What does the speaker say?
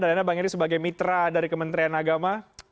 dari anda sebagai mitra dari kementerian agama